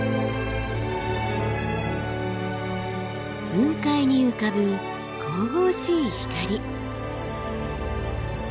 雲海に浮かぶ神々しい光。